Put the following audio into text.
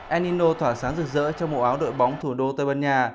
el nino thỏa sáng rực rỡ trong mẫu áo đội bóng thủ đô tây ban nha